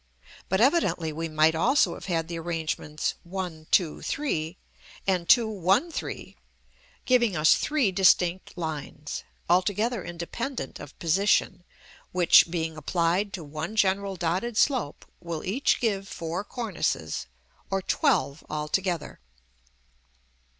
But evidently we might also have had the arrangements 1, 2, 3, and 2, 1, 3, giving us three distinct lines, altogether independent of position, which being applied to one general dotted slope will each give four cornices, or twelve altogether.